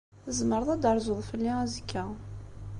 Tzemreḍ ad d-terzuḍ fell-i azekka.